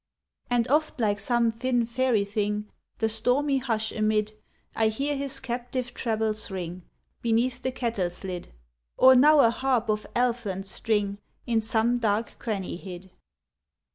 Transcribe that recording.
And oft, like some thin fairy thing, The stormy hush amid, I hear his captive trebles ring Beneath the kettle's lid; Or now a harp of elfland string In some dark cranny hid.